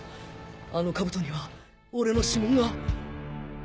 あのカブトには俺の指紋が